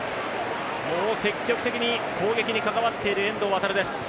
積極的に攻撃に関わっている遠藤航です。